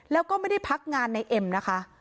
แล้วก็ไม่ได้พักงานในเอ็มนะคะ